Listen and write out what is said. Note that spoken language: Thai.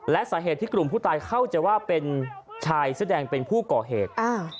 และสาเหตุที่กลุ่มผู้ตายเข้าใจว่าเป็นชายเสื้อแดงเป็นผู้ก่อเหตุ